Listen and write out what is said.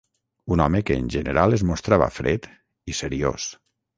Un home que en general es mostrava fred i seriós.